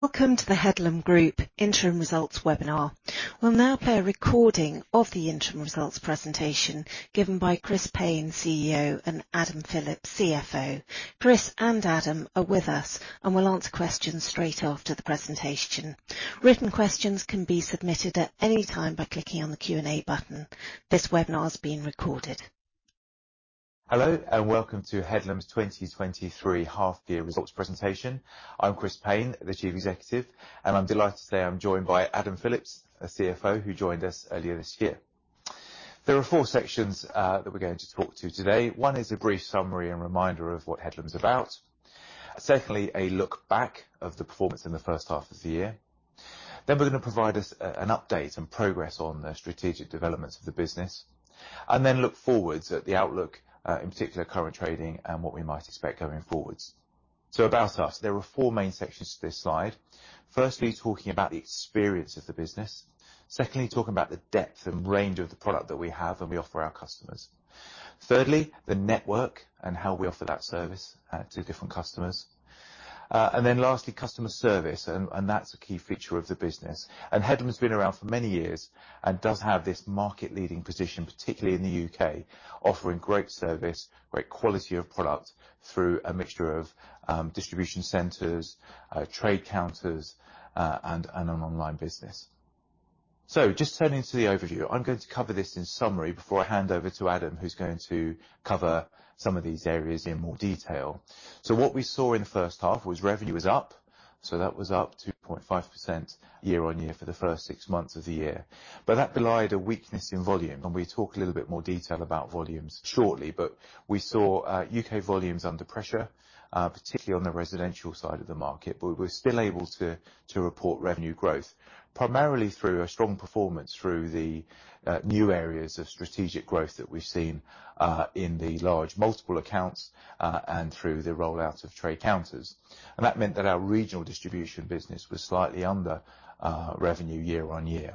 Welcome to the Headlam Group Interim Results Webinar. We'll now play a recording of the interim results presentation given by Chris Payne, CEO, and Adam Phillips, CFO. Chris and Adam are with us and will answer questions straight after the presentation. Written questions can be submitted at any time by clicking on the Q&A button. This webinar is being recorded. Hello, and welcome to Headlam's 2023 half-year results presentation. I'm Chris Payne, the Chief Executive, and I'm delighted to say I'm joined by Adam Phillips, our CFO, who joined us earlier this year. There are four sections that we're going to talk to today. One is a brief summary and reminder of what Headlam's about. Secondly, a look back of the performance in the first half of the year. Then we're going to provide us an update and progress on the strategic developments of the business, and then look forwards at the outlook in particular, current trading and what we might expect going forwards. So about us, there are four main sections to this slide. Firstly, talking about the experience of the business. Secondly, talking about the depth and range of the product that we have and we offer our customers. Thirdly, the network and how we offer that service to different customers. And then lastly, customer service, and that's a key feature of the business. Headlam has been around for many years and does have this market-leading position, particularly in the U.K., offering great service, great quality of product through a mixture of distribution centers, trade counters, and an online business. So just turning to the overview, I'm going to cover this in summary before I hand over to Adam, who's going to cover some of these areas in more detail. So what we saw in the first half was revenue was up, so that was up 2.5% year-on-year for the first six months of the year. But that belied a weakness in volume, and we'll talk a little bit more detail about volumes shortly, but we saw UK volumes under pressure, particularly on the residential side of the market. But we're still able to report revenue growth, primarily through a strong performance through the new areas of strategic growth that we've seen in the large multiple accounts, and through the rollout of trade counters. And that meant that our regional distribution business was slightly under revenue year on year.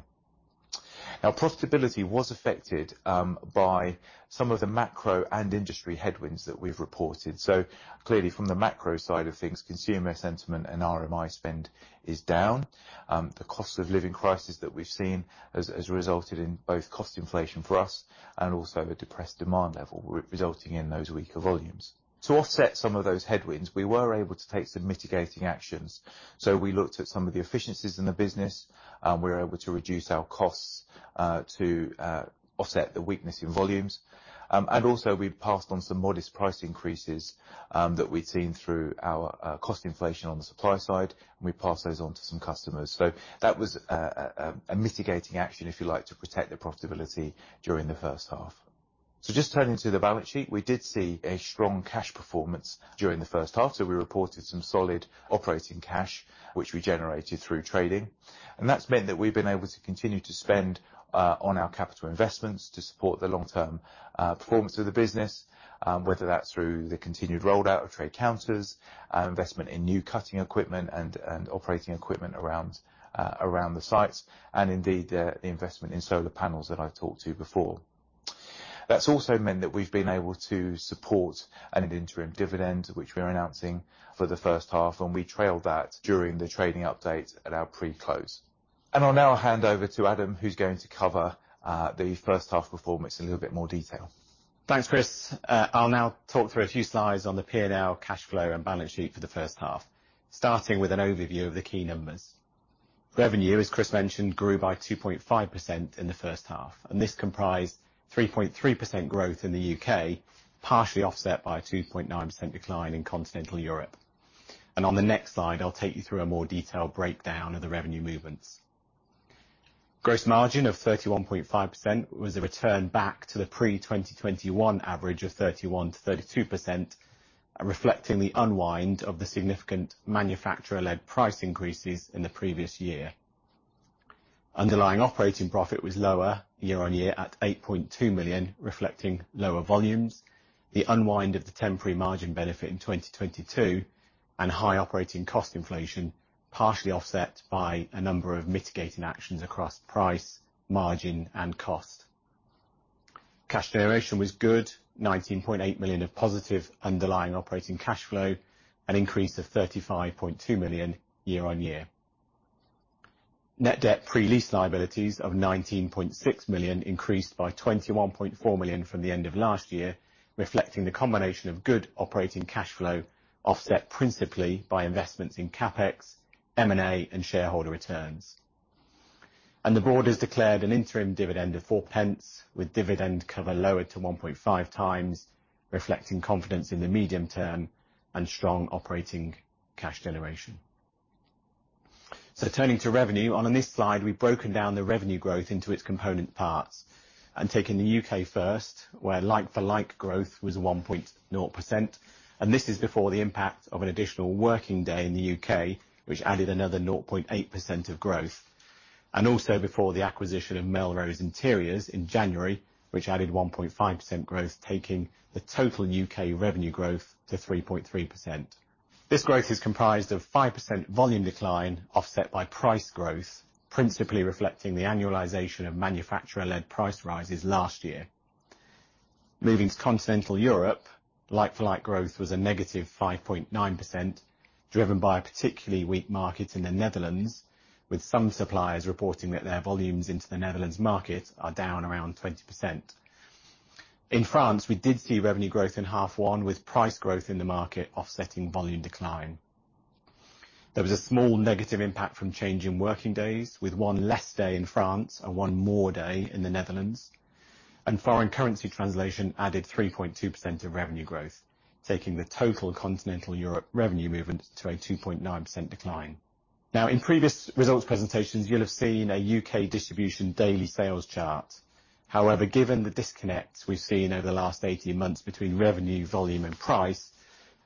Now, profitability was affected by some of the macro and industry headwinds that we've reported. So clearly, from the macro side of things, consumer sentiment and RMI spend is down. The cost of living crisis that we've seen has resulted in both cost inflation for us and also a depressed demand level, resulting in those weaker volumes. To offset some of those headwinds, we were able to take some mitigating actions. So we looked at some of the efficiencies in the business, and we were able to reduce our costs to offset the weakness in volumes. And also, we passed on some modest price increases that we'd seen through our cost inflation on the supply side, and we passed those on to some customers. So that was a mitigating action, if you like, to protect the profitability during the first half. So just turning to the balance sheet, we did see a strong cash performance during the first half. So we reported some solid operating cash, which we generated through trading, and that's meant that we've been able to continue to spend on our capital investments to support the long-term performance of the business, whether that's through the continued rollout of trade counters, investment in new cutting equipment and operating equipment around the sites, and indeed, the investment in solar panels that I talked to before. That's also meant that we've been able to support an interim dividend, which we're announcing for the first half, and we trailed that during the trading update at our pre-close. I'll now hand over to Adam, who's going to cover the first half performance in a little bit more detail. Thanks, Chris. I'll now talk through a few slides on the P&L, cash flow, and balance sheet for the first half, starting with an overview of the key numbers. Revenue, as Chris mentioned, grew by 2.5% in the first half, and this comprised 3.3% growth in the UK, partially offset by a 2.9% decline in continental Europe. On the next slide, I'll take you through a more detailed breakdown of the revenue movements. Gross margin of 31.5% was a return back to the pre-2021 average of 31% - 32% and reflecting the unwind of the significant manufacturer-led price increases in the previous year. Underlying operating profit was lower year-on-year at 8.2 million, reflecting lower volumes, the unwind of the temporary margin benefit in 2022, and high operating cost inflation, partially offset by a number of mitigating actions across price, margin, and cost. Cash generation was good, 19.8 million of positive underlying operating cashflow, an increase of 35.2 million year-on-year. Net debt, pre-lease liabilities, of 19.6 million increased by 21.4 million from the end of last year, reflecting the combination of good operating cashflow, offset principally by investments in CapEx, M&A, and shareholder returns. The board has declared an interim dividend of 0.04, with dividend cover lowered to 1.5 times, reflecting confidence in the medium term and strong operating cash generation. So turning to revenue, and on this slide, we've broken down the revenue growth into its component parts and taken the UK first, where like-for-like growth was 1.0%, and this is before the impact of an additional working day in the UK, which added another 0.8% of growth, and also before the acquisition of Melrose Interiors in January, which added 1.5% growth, taking the total UK revenue growth to 3.3%. This growth is comprised of 5% volume decline, offset by price growth, principally reflecting the annualization of manufacturer-led price rises last year. Moving to Continental Europe, like-for-like growth was a negative 5.9%, driven by a particularly weak market in the Netherlands, with some suppliers reporting that their volumes into the Netherlands market are down around 20%. In France, we did see revenue growth in half one, with price growth in the market offsetting volume decline. There was a small negative impact from change in working days, with one less day in France and one more day in the Netherlands, and foreign currency translation added 3.2% of revenue growth, taking the total Continental Europe revenue movement to a 2.9% decline. Now, in previous results presentations, you'll have seen a UK distribution daily sales chart. However, given the disconnect we've seen over the last 18 months between revenue, volume, and price,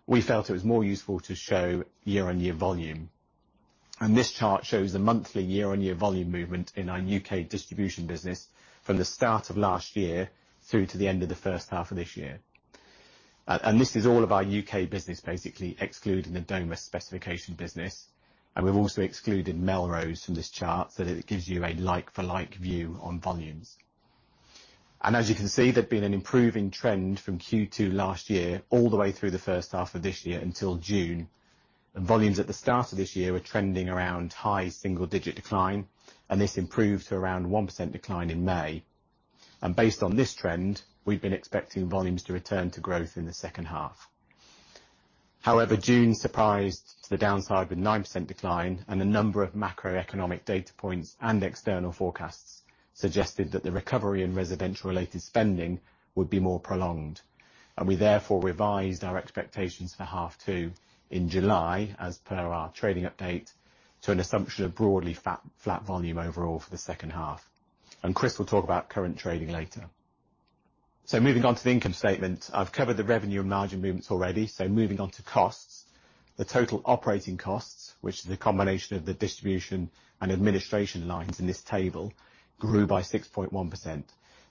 we felt it was more useful to show year-on-year volume. And this chart shows the monthly year-on-year volume movement in our UK distribution business from the start of last year through to the end of the first half of this year. This is all of our U.K. business, basically excluding the Domus specification business, and we've also excluded Melrose from this chart, so that it gives you a like-for-like view on volumes. As you can see, there's been an improving trend from Q2 last year, all the way through the first half of this year until June. Volumes at the start of this year were trending around high single-digit decline, and this improved to around 1% decline in May. Based on this trend, we've been expecting volumes to return to growth in the second half. However, June surprised to the downside with 9% decline, and a number of macroeconomic data points and external forecasts suggested that the recovery in residential-related spending would be more prolonged, and we therefore revised our expectations for half two in July, as per our trading update, to an assumption of broadly flat, flat volume overall for the second half. Chris will talk about current trading later. Moving on to the income statement. I've covered the revenue and margin movements already, moving on to costs. The total operating costs, which is a combination of the distribution and administration lines in this table, grew by 6.1%,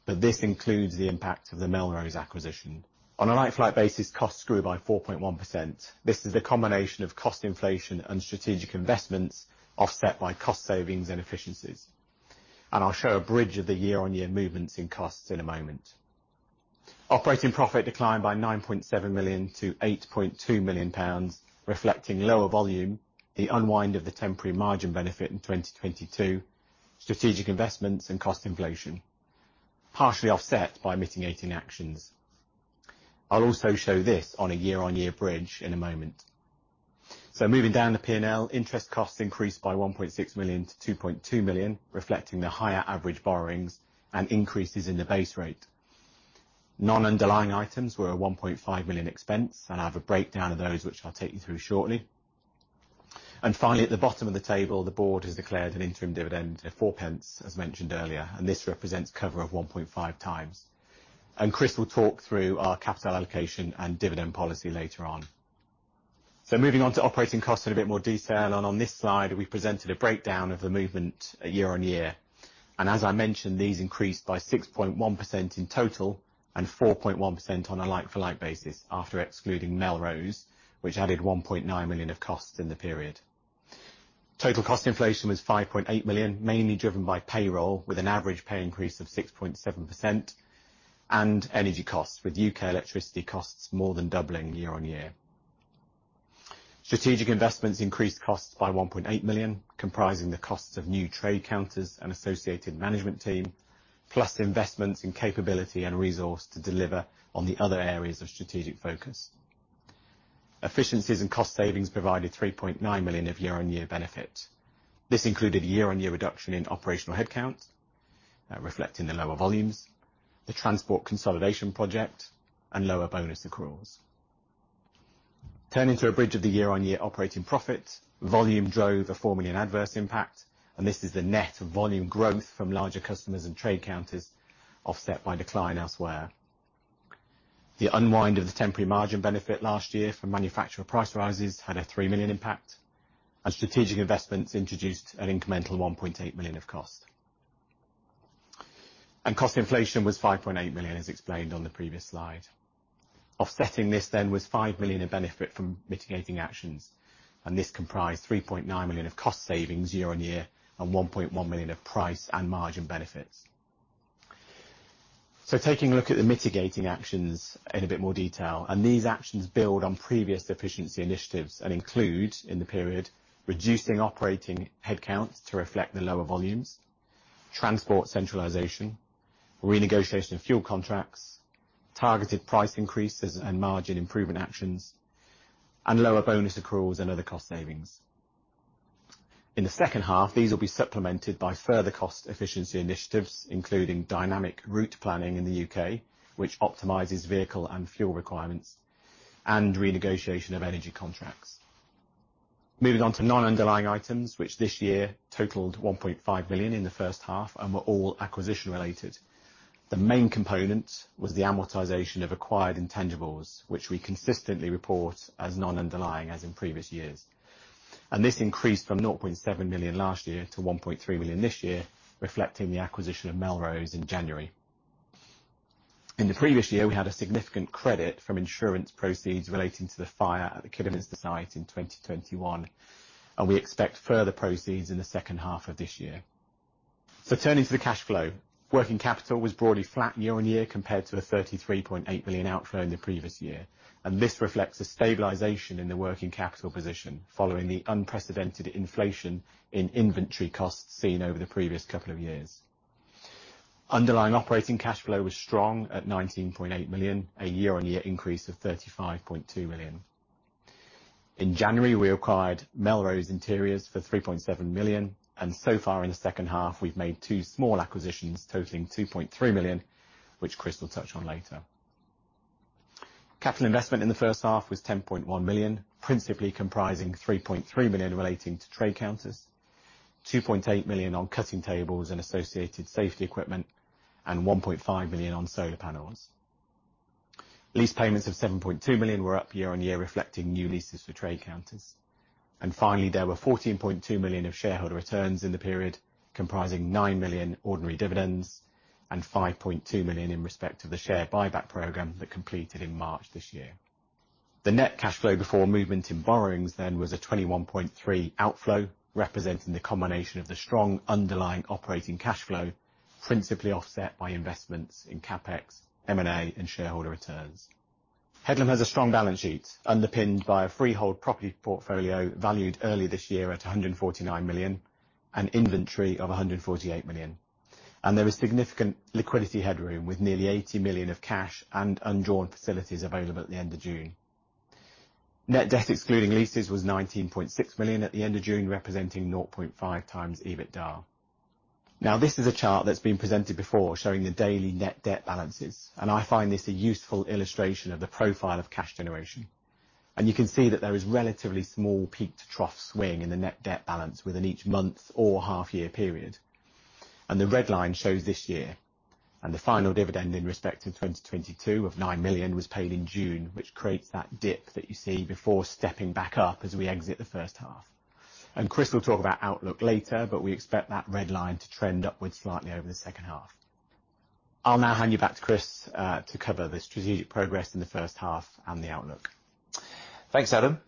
but this includes the impact of the Melrose acquisition. On a like-for-like basis, costs grew by 4.1%. This is a combination of cost inflation and strategic investments, offset by cost savings and efficiencies. I'll show a bridge of the year-on-year movements in costs in a moment. Operating profit declined by 9.7 million to 8.2 million pounds, reflecting lower volume, the unwind of the temporary margin benefit in 2022, strategic investments, and cost inflation, partially offset by mitigating actions. I'll also show this on a year-on-year bridge in a moment. So moving down the P&L, interest costs increased by 1.6 million to 2.2 million, reflecting the higher average borrowings and increases in the base rate. Non-underlying items were a 1.5 million expense, and I have a breakdown of those, which I'll take you through shortly. And finally, at the bottom of the table, the board has declared an interim dividend of 0.04, as mentioned earlier, and this represents cover of 1.5 times. Chris will talk through our capital allocation and dividend policy later on. Moving on to operating costs in a bit more detail, and on this slide, we presented a breakdown of the movement year-on-year. As I mentioned, these increased by 6.1% in total and 4.1% on a like-for-like basis, after excluding Melrose, which added 1.9 million of costs in the period. Total cost inflation was 5.8 million, mainly driven by payroll, with an average pay increase of 6.7%, and energy costs, with U.K. electricity costs more than doubling year on year. Strategic investments increased costs by 1.8 million, comprising the costs of new trade counters and associated management team, plus investments in capability and resource to deliver on the other areas of strategic focus. Efficiencies and cost savings provided 3.9 million of year-on-year benefit. This included year-on-year reduction in operational headcount, reflecting the lower volumes, the transport consolidation project, and lower bonus accruals. Turning to a bridge of the year-on-year operating profit, volume drove a 4 million adverse impact, and this is the net of volume growth from larger customers and trade counters, offset by decline elsewhere. The unwind of the temporary margin benefit last year from manufacturer price rises had a 3 million impact, and strategic investments introduced an incremental 1.8 million of cost. Cost inflation was 5.8 million, as explained on the previous slide. Offsetting this then was 5 million in benefit from mitigating actions, and this comprised 3.9 million of cost savings year on year and 1.1 million of price and margin benefits. So taking a look at the mitigating actions in a bit more detail, and these actions build on previous efficiency initiatives and include, in the period, reducing operating headcounts to reflect the lower volumes, transport centralization, renegotiation of fuel contracts, targeted price increases and margin improvement actions, and lower bonus accruals and other cost savings. In the second half, these will be supplemented by further cost efficiency initiatives, including dynamic route planning in the UK, which optimizes vehicle and fuel requirements, and renegotiation of energy contracts. Moving on to non-underlying items, which this year totaled 1.5 million in the first half and were all acquisition related. The main component was the amortization of acquired intangibles, which we consistently report as non-underlying, as in previous years. This increased from 0.7 million last year to 1.3 million this year, reflecting the acquisition of Melrose in January. In the previous year, we had a significant credit from insurance proceeds relating to the fire at the Kidderminster site in 2021, and we expect further proceeds in the second half of this year. Turning to the cash flow. Working capital was broadly flat year-on-year compared to the 33.8 million outflow in the previous year, and this reflects a stabilization in the working capital position following the unprecedented inflation in inventory costs seen over the previous couple of years. Underlying operating cash flow was strong at 19.8 million, a year-on-year increase of 35.2 million. In January, we acquired Melrose Interiors for 3.7 million, and so far in the second half, we've made two small acquisitions totaling 2.3 million, which Chris will touch on later. Capital investment in the first half was 10.1 million, principally comprising 3.3 million relating to trade counters, 2.8 million on cutting tables and associated safety equipment, and 1.5 million on solar panels. Lease payments of 7.2 million were up year-on-year, reflecting new leases for trade counters. Finally, there were 14.2 million of shareholder returns in the period, comprising 9 million ordinary dividends and 5.2 million in respect of the share buyback program that completed in March this year. The net cash flow before movement in borrowings then was a 21.3 outflow, representing the combination of the strong underlying operating cash flow, principally offset by investments in CapEx, M&A, and shareholder returns. Headlam has a strong balance sheet, underpinned by a freehold property portfolio, valued earlier this year at 149 million, and inventory of 148 million. There is significant liquidity headroom, with nearly 80 million of cash and undrawn facilities available at the end of June. Net debt, excluding leases, was 19.6 million at the end of June, representing 0.5 times EBITDA. Now, this is a chart that's been presented before, showing the daily net debt balances, and I find this a useful illustration of the profile of cash generation. You can see that there is relatively small peak-to-trough swing in the net debt balance within each month or half-year period. The red line shows this year, and the final dividend in respect of 2022 of 9 million was paid in June, which creates that dip that you see before stepping back up as we exit the first half. Chris will talk about outlook later, but we expect that red line to trend upwards slightly over the second half. I'll now hand you back to Chris to cover the strategic progress in the first half and the outlook. Thanks, Adam.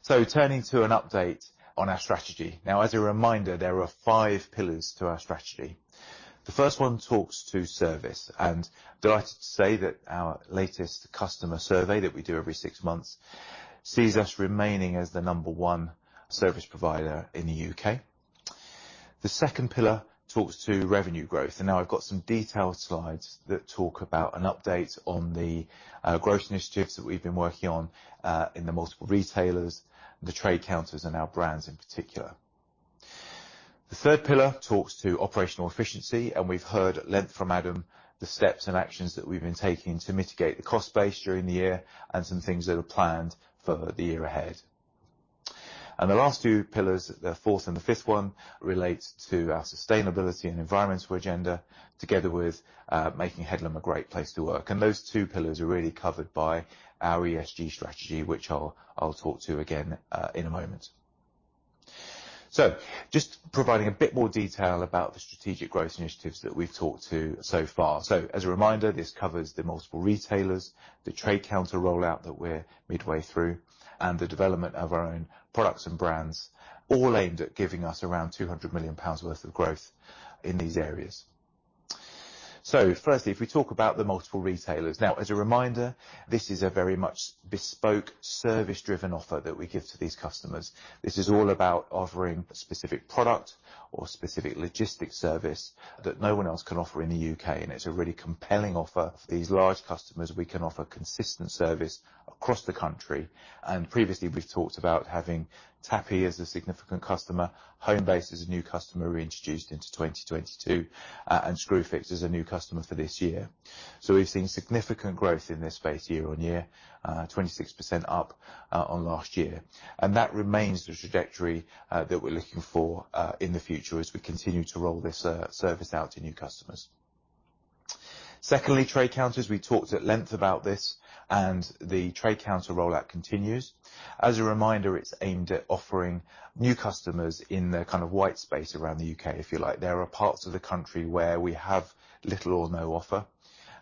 So turning to an update on our strategy. Now, as a reminder, there are five pillars to our strategy. The first one talks to service, and delighted to say that our latest customer survey that we do every six months sees us remaining as the number one service provider in the UK. The second pillar talks to revenue growth, and now I've got some detailed slides that talk about an update on the growth initiatives that we've been working on in the multiple retailers, the trade counters, and our brands in particular. The third pillar talks to operational efficiency, and we've heard at length from Adam, the steps and actions that we've been taking to mitigate the cost base during the year and some things that are planned for the year ahead. The last two pillars, the fourth and the fifth one, relates to our sustainability and environmental agenda, together with making Headlam a great place to work. Those two pillars are really covered by our ESG strategy, which I'll talk to again in a moment. Just providing a bit more detail about the strategic growth initiatives that we've talked to so far. As a reminder, this covers the multiple retailers, the trade counter rollout that we're midway through, and the development of our own products and brands, all aimed at giving us around 200 million pounds worth of growth in these areas. Firstly, if we talk about the multiple retailers. As a reminder, this is a very much bespoke, service-driven offer that we give to these customers. This is all about offering a specific product or specific logistics service that no one else can offer in the UK, and it's a really compelling offer. For these large customers, we can offer consistent service across the country, and previously, we've talked about having Tapi as a significant customer, Homebase as a new customer we introduced into 2022, and Screwfix as a new customer for this year. So we've seen significant growth in this space year-on-year, 26% up, on last year. And that remains the trajectory that we're looking for in the future as we continue to roll this service out to new customers. Secondly, trade counters. We talked at length about this, and the trade counter rollout continues. As a reminder, it's aimed at offering new customers in the kind of white space around the UK, if you like. There are parts of the country where we have little or no offer,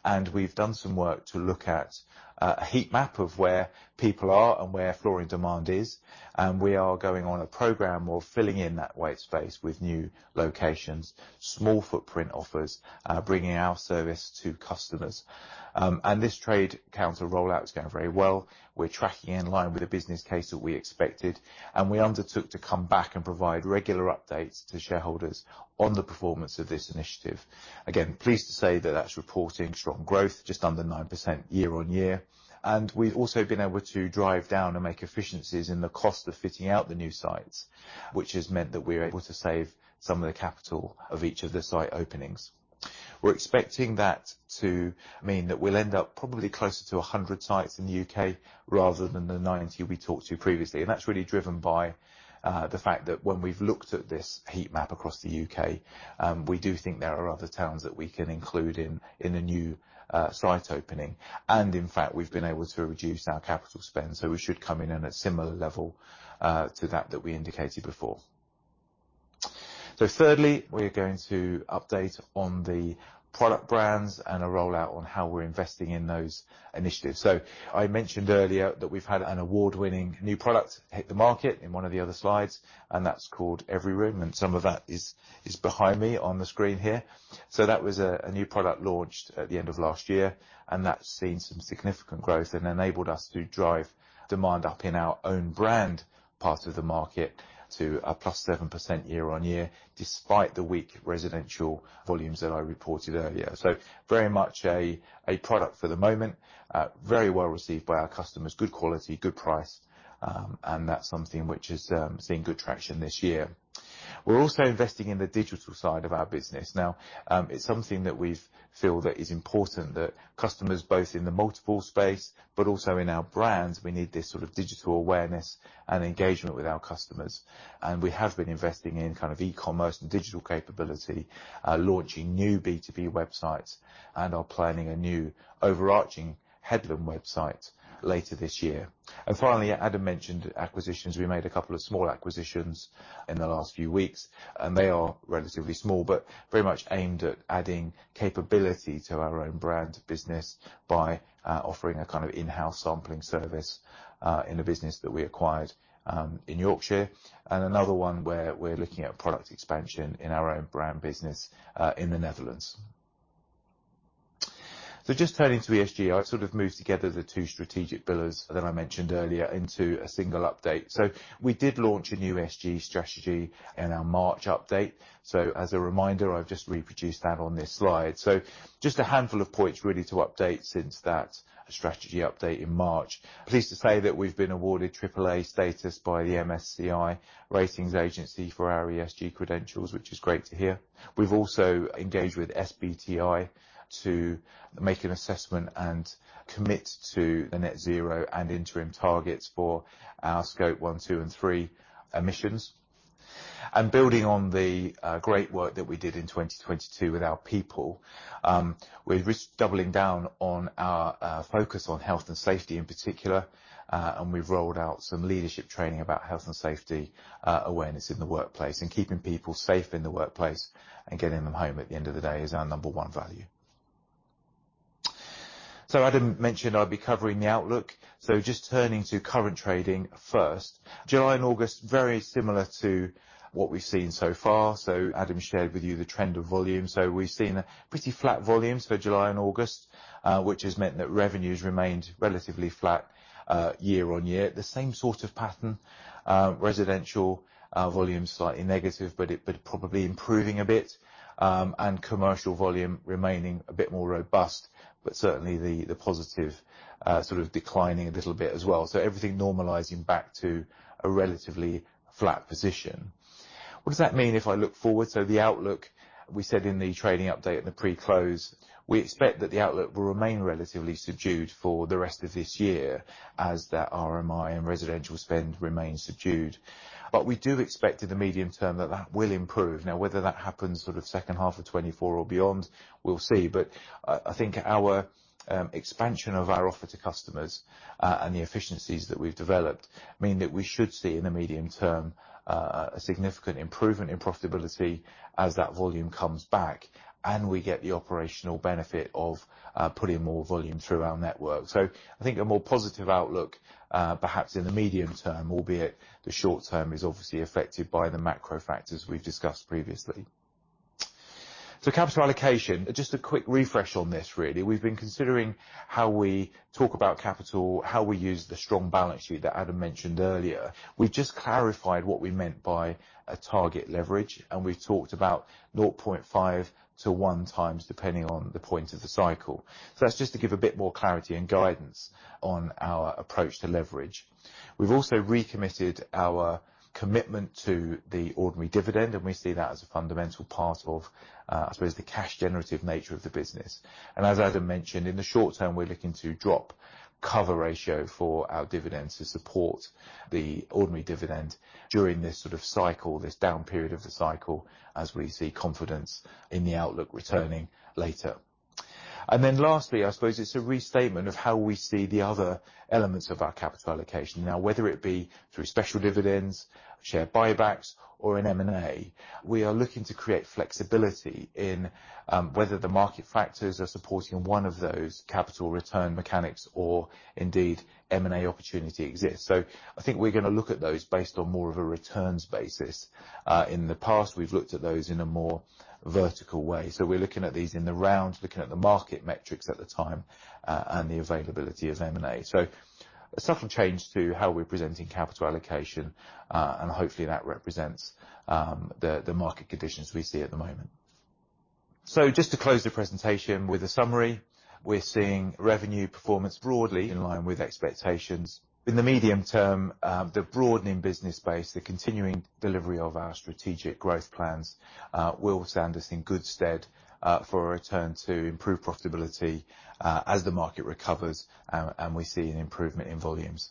and we've done some work to look at a heat map of where people are and where flooring demand is, and we are going on a program of filling in that white space with new locations, small footprint offers, bringing our service to customers. This trade counter rollout is going very well. We're tracking in line with the business case that we expected, and we undertook to come back and provide regular updates to shareholders on the performance of this initiative. Again, pleased to say that that's reporting strong growth, just under 9% year-over-year, and we've also been able to drive down and make efficiencies in the cost of fitting out the new sites, which has meant that we're able to save some of the capital of each of the site openings. We're expecting that to mean that we'll end up probably closer to 100 sites in the UK rather than the 90 we talked to previously, and that's really driven by the fact that when we've looked at this heat map across the UK, we do think there are other towns that we can include in a new site opening. And in fact, we've been able to reduce our capital spend, so we should come in at a similar level to that we indicated before. So thirdly, we're going to update on the product brands and a rollout on how we're investing in those initiatives. So I mentioned earlier that we've had an award-winning new product hit the market in one of the other slides, and that's called Everyroom, and some of that is behind me on the screen here. So that was a new product launched at the end of last year, and that's seen some significant growth and enabled us to drive demand up in our own brand part of the market to +7% year-on-year, despite the weak residential volumes that I reported earlier. So very much a product for the moment, very well received by our customers. Good quality, good price, and that's something which is seeing good traction this year. We're also investing in the digital side of our business. Now, it's something that we've feel that is important, that customers, both in the multiple space but also in our brands, we need this sort of digital awareness and engagement with our customers. And we have been investing in kind of e-commerce and digital capability, launching new B2B websites and are planning a new overarching Headlam website later this year. And finally, Adam mentioned acquisitions. We made a couple of small acquisitions in the last few weeks, and they are relatively small, but very much aimed at adding capability to our own brand business by offering a kind of in-house sampling service in the business that we acquired in Yorkshire, and another one where we're looking at product expansion in our own brand business in the Netherlands. So just turning to ESG, I sort of moved together the two strategic pillars that I mentioned earlier into a single update. So we did launch a new ESG strategy in our March update. So as a reminder, I've just reproduced that on this slide. So just a handful of points really to update since that strategy update in March. Pleased to say that we've been awarded AAA status by the MSCI ratings agency for our ESG credentials, which is great to hear. We've also engaged with SBTi to make an assessment and commit to the net zero and interim targets for our Scope 1, 2, and 3 emissions. And building on the great work that we did in 2022 with our people, we're just doubling down on our focus on health and safety in particular, and we've rolled out some leadership training about health and safety awareness in the workplace, and keeping people safe in the workplace and getting them home at the end of the day is our number one value. So Adam mentioned I'd be covering the outlook, so just turning to current trading first. July and August, very similar to what we've seen so far. So Adam shared with you the trend of volumes. So we've seen pretty flat volumes for July and August, which has meant that revenues remained relatively flat, year-on-year. The same sort of pattern, residential volume, slightly negative, but probably improving a bit, and commercial volume remaining a bit more robust, but certainly the positive, sort of declining a little bit as well. So everything normalizing back to a relatively flat position. What does that mean if I look forward? So the outlook, we said in the trading update and the pre-close, we expect that the outlook will remain relatively subdued for the rest of this year, as that RMI and residential spend remains subdued. But we do expect in the medium term that that will improve. Now, whether that happens sort of second half of 2024 or beyond, we'll see. But I, I think our expansion of our offer to customers and the efficiencies that we've developed mean that we should see, in the medium term, a significant improvement in profitability as that volume comes back and we get the operational benefit of putting more volume through our network. So I think a more positive outlook, perhaps in the medium term, albeit the short term, is obviously affected by the macro factors we've discussed previously. So capital allocation, just a quick refresh on this really. We've been considering how we talk about capital, how we use the strong balance sheet that Adam mentioned earlier. We've just clarified what we meant by a target leverage, and we've talked about 0.5-1 times, depending on the point of the cycle. That's just to give a bit more clarity and guidance on our approach to leverage. We've also recommitted our commitment to the ordinary dividend, and we see that as a fundamental part of, I suppose, the cash generative nature of the business. As Adam mentioned, in the short term, we're looking to drop cover ratio for our dividend to support the ordinary dividend during this sort of cycle, this down period of the cycle, as we see confidence in the outlook returning later. Then lastly, I suppose it's a restatement of how we see the other elements of our capital allocation. Now, whether it be through special dividends, share buybacks, or in M&A, we are looking to create flexibility in, whether the market factors are supporting one of those capital return mechanics or indeed M&A opportunity exists. So I think we're gonna look at those based on more of a returns basis. In the past, we've looked at those in a more vertical way. So we're looking at these in the round, looking at the market metrics at the time, and the availability of M&A. So a subtle change to how we're presenting capital allocation, and hopefully that represents the market conditions we see at the moment. So just to close the presentation with a summary, we're seeing revenue performance broadly in line with expectations. In the medium term, the broadening business base, the continuing delivery of our strategic growth plans, will stand us in good stead, for a return to improved profitability, as the market recovers and we see an improvement in volumes.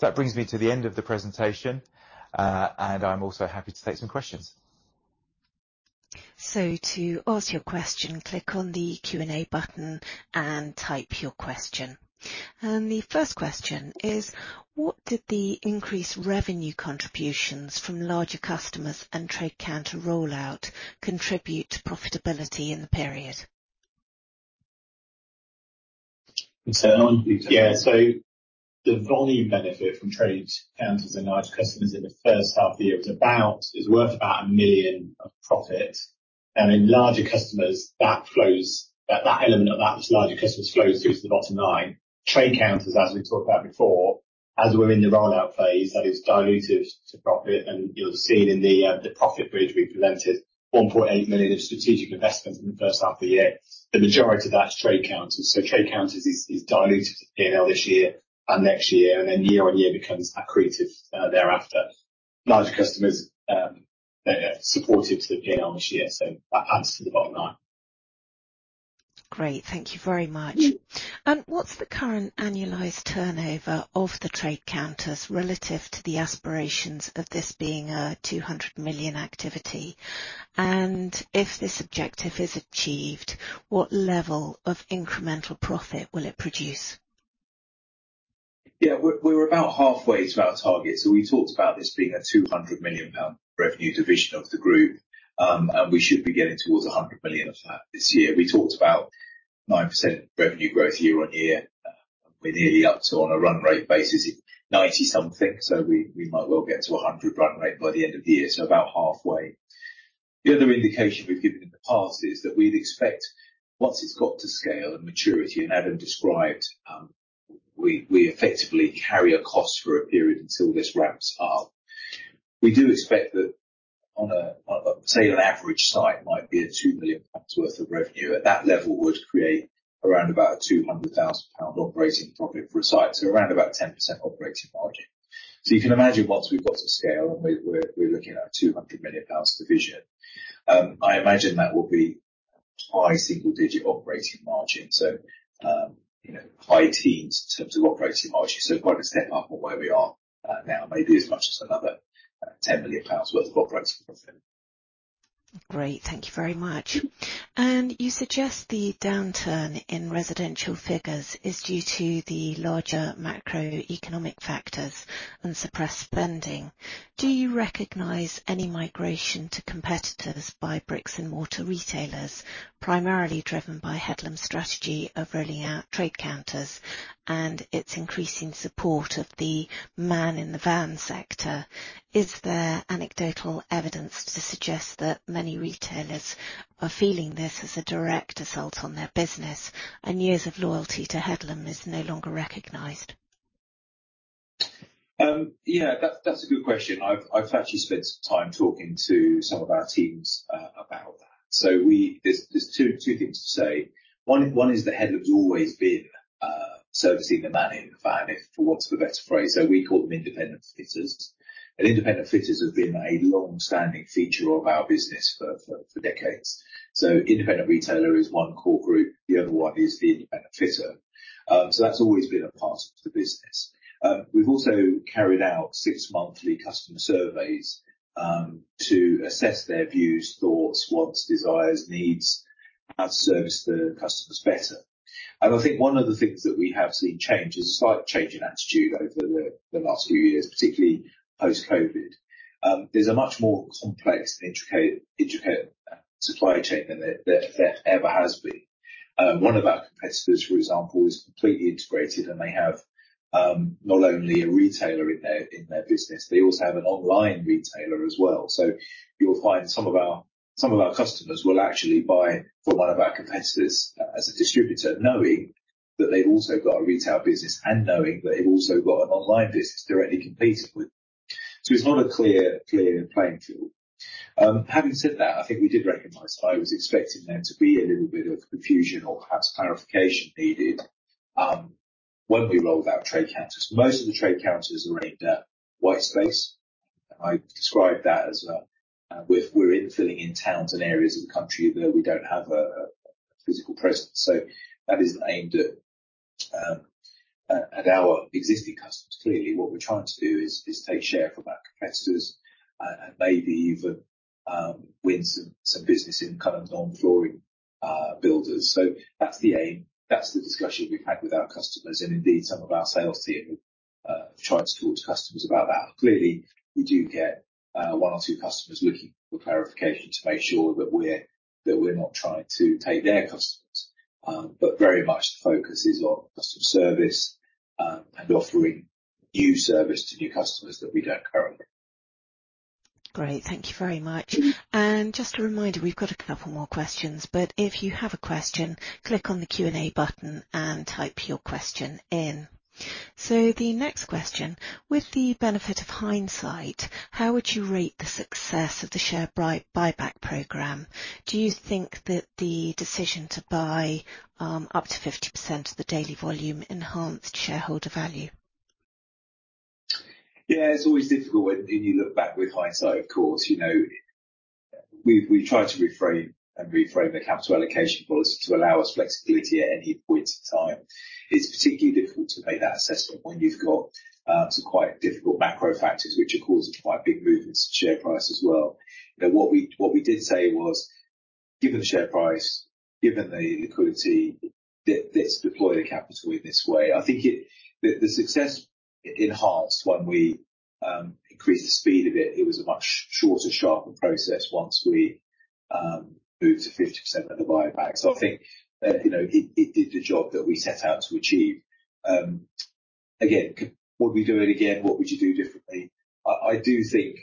That brings me to the end of the presentation, and I'm also happy to take some questions. So to ask your question, click on the Q&A button and type your question. The first question is: What did the increased revenue contributions from larger customers and trade counter rollout contribute to profitability in the period? So, yeah, the volume benefit from trade counters and large customers in the first half of the year is worth about 1 million of profit. In larger customers, that flows, that element of larger customers flows through to the bottom line. Trade counters, as we talked about before, as we're in the rollout phase, that is diluted to profit, and you'll have seen in the profit bridge we presented 1.8 million of strategic investments in the first half of the year. The majority of that is trade counters. So trade counters is diluted to P&L this year and next year, and then year-on-year becomes accretive thereafter. Larger customers supportive to the P&L this year, so that adds to the bottom line. Great. Thank you very much. What's the current annualized turnover of the trade counters relative to the aspirations of this being a 200 million activity? And if this objective is achieved, what level of incremental profit will it produce? Yeah, we're, we're about halfway to our target. So we talked about this being a 200 million pound revenue division of the group, and we should be getting towards 100 million of that this year. We talked about 9% revenue growth year-on-year. We're nearly up to, on a run rate basis, 90-something, so we, we might well get to a 100 run rate by the end of the year, so about halfway. The other indication we've given in the past is that we'd expect, once it's got to scale and maturity, and Adam described, we, we effectively carry a cost for a period until this ramps up. We do expect that on a, say, an average site might be a 2 million pounds worth of revenue, at that level, would create around about 200,000 pound operating profit for a site, so around about 10% operating margin. So you can imagine, once we've got to scale and we're looking at a 200 million pounds division, I imagine that will be high single digit operating margin. So, you know, high teens in terms of operating margin, so quite a step up on where we are now, maybe as much as another 10 million pounds worth of operating profit. Great. Thank you very much. You suggest the downturn in residential figures is due to the larger macroeconomic factors and suppressed spending. Do you recognize any migration to competitors by bricks and mortar retailers, primarily driven by Headlam's strategy of rolling out trade counters and its increasing support of the man in the van sector? Is there anecdotal evidence to suggest that many retailers are feeling this as a direct assault on their business and years of loyalty to Headlam is no longer recognized? Yeah, that's a good question. I've actually spent some time talking to some of our teams about that. So we, there are two things to say. One is that Headlam's always been servicing the man in the van, if for want of a better phrase. So we call them independent fitters. And independent fitters have been a long-standing feature of our business for decades. So independent retailer is one core group, the other one is the independent fitter. So that's always been a part of the business. We've also carried out six monthly customer surveys to assess their views, thoughts, wants, desires, needs, how to service the customers better. And I think one of the things that we have seen change is a slight change in attitude over the last few years, particularly post-COVID. There's a much more complex and intricate supply chain than there ever has been. One of our competitors, for example, is completely integrated, and they have not only a retailer in their business, they also have an online retailer as well. So you'll find some of our customers will actually buy from one of our competitors as a distributor, knowing that they've also got a retail business and knowing that they've also got an online business directly competing with. So it's not a clear playing field. Having said that, I think we did recognize. I was expecting there to be a little bit of confusion or perhaps clarification needed when we rolled out trade counters. Most of the trade counters are aimed at white space. I describe that as we're filling in towns and areas of the country where we don't have a physical presence, so that is aimed at our existing customers. Clearly, what we're trying to do is take share from our competitors and maybe even win some business in kind of non-flooring builders. So that's the aim, that's the discussion we've had with our customers, and indeed, some of our sales team have tried to talk to customers about that. Clearly, we do get one or two customers looking for clarification to make sure that we're not trying to take their customers, but very much the focus is on customer service and offering new service to new customers that we don't currently. Great. Thank you very much. And just a reminder, we've got a couple more questions, but if you have a question, click on the Q&A button and type your question in. So the next question: with the benefit of hindsight, how would you rate the success of the share buy-back program? Do you think that the decision to buy up to 50% of the daily volume enhanced shareholder value? Yeah, it's always difficult when, when you look back with hindsight, of course, you know. We, we tried to reframe and reframe the capital allocation policy to allow us flexibility at any point in time. It's particularly difficult to make that assessment when you've got some quite difficult macro factors, which are causing quite big movements in share price as well. But what we, what we did say was given the share price, given the liquidity, that's deployed the capital in this way. I think it, the, the success enhanced when we increased the speed of it. It was a much shorter, sharper process once we moved to 50% of the buyback. So I think that, you know, it, it did the job that we set out to achieve. Again, would we do it again? What would you do differently? I do think,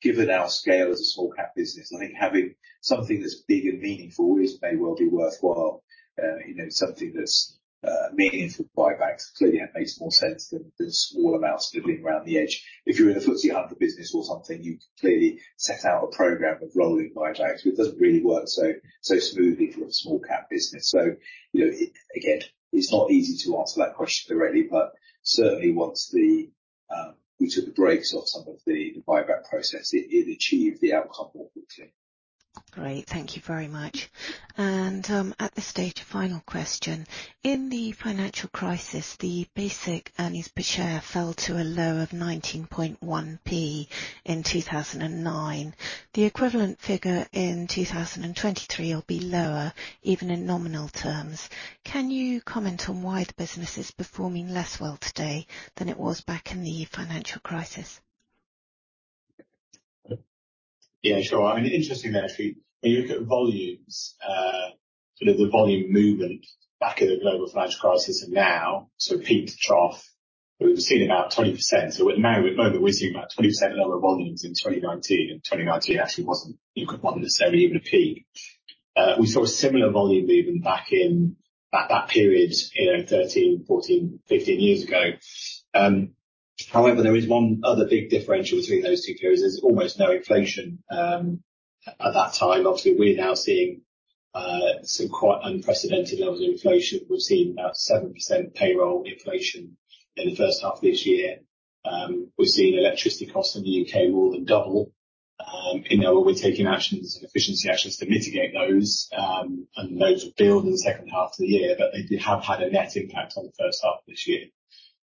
given our scale as a small cap business, I think having something that's big and meaningful is, may well be worthwhile. You know, something that's meaningful buybacks, clearly that makes more sense than small amounts nibbling around the edge. If you're in a FTSE 100 business or something, you clearly set out a program of rolling buybacks, but it doesn't really work so smoothly for a small cap business. So, you know, again, it's not easy to answer that question directly, but certainly once the we took the brakes off some of the buyback process, it achieved the outcome more quickly. Great. Thank you very much. At this stage, a final question. In the financial crisis, the basic earnings per share fell to a low of 19.1p in 2009. The equivalent figure in 2023 will be lower, even in nominal terms. Can you comment on why the business is performing less well today than it was back in the financial crisis? Yeah, sure. I mean, interestingly, actually, when you look at volumes, sort of the volume movement back in the global financial crisis and now, so peak to trough, we've seen about 20%. So now, at the moment, we're seeing about 20% lower volumes in 2019, and 2019 actually wasn't, you know, wasn't necessarily even a peak. We saw a similar volume movement back in that, that period, you know, 13, 14, 15 years ago. However, there is one other big differential between those two periods. There was almost no inflation at that time. Obviously, we're now seeing some quite unprecedented levels of inflation. We've seen about 7% payroll inflation in the first half of this year. We've seen electricity costs in the UK more than double. You know, we're taking actions, efficiency actions to mitigate those, and those will build in the second half of the year, but they have had a net impact on the first half of this year.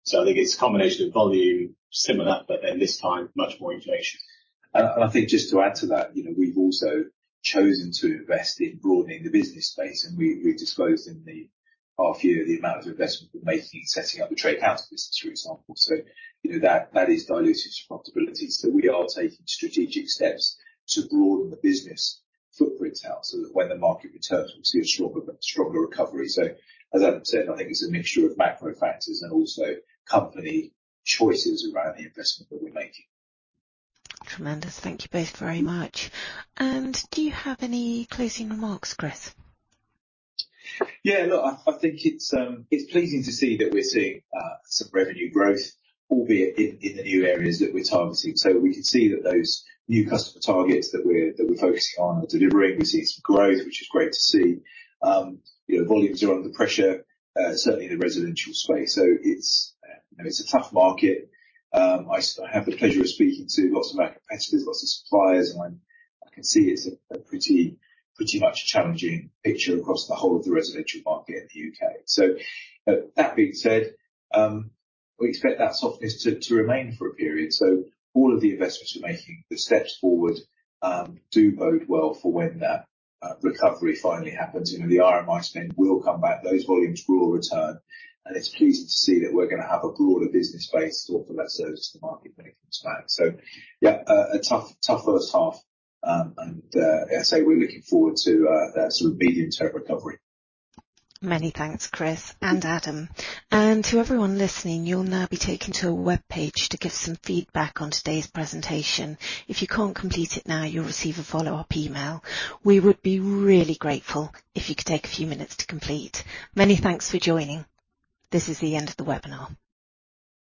So I think it's a combination of volume, similar, but then this time, much more inflation. I think just to add to that, you know, we've also chosen to invest in broadening the business space, and we disclosed in the half year the amount of investment we're making in setting up the trade house business, for example. So you know, that is dilutive to profitability. So we are taking strategic steps to broaden the business footprint out so that when the market returns, we'll see a stronger recovery. So as Adam said, I think it's a mixture of macro factors and also company choices around the investment that we're making. Tremendous. Thank you both very much. Do you have any closing remarks, Chris? Yeah, look, I think it's pleasing to see that we're seeing some revenue growth, albeit in the new areas that we're targeting. So we can see that those new customer targets that we're focusing on are delivering. We're seeing some growth, which is great to see. You know, volumes are under pressure certainly in the residential space, so it's you know, it's a tough market. I have the pleasure of speaking to lots of our competitors, lots of suppliers, and I can see it's a pretty much challenging picture across the whole of the residential market in the UK. So, that being said, we expect that softness to remain for a period, so all of the investments we're making, the steps forward, do bode well for when that recovery finally happens. You know, the RMI spend will come back, those volumes will return, and it's pleasing to see that we're gonna have a broader business base to offer that service to the market when it comes back. So yeah, a tough, tough first half, and, as I say, we're looking forward to that sort of medium-term recovery. Many thanks, Chris and Adam. To everyone listening, you'll now be taken to a webpage to give some feedback on today's presentation. If you can't complete it now, you'll receive a follow-up email. We would be really grateful if you could take a few minutes to complete. Many thanks for joining. This is the end of the webinar.